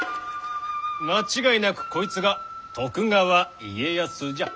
間違いなくこいつが徳川家康じゃ。